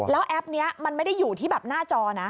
แล้วแอปนี้มันไม่ได้อยู่ที่แบบหน้าจอนะ